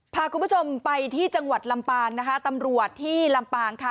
พาคุณผู้ชมไปที่จังหวัดลำบางตำรวจที่ลำบาง